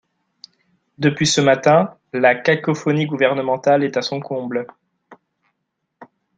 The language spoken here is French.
Depuis ce matin, la cacophonie gouvernementale est à son comble.